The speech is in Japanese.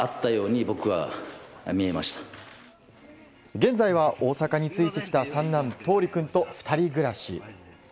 現在は大阪についてきた三男・橙利君と２人暮らし。